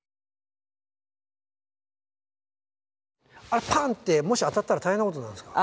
あれパンッてもし当たったら大変なことになるんですか？